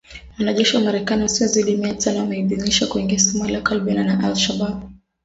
Wanajeshi wa Marekani wasiozidi mia tano wameidhinishwa kuingia Somalia kukabiliana na Al Shabaab.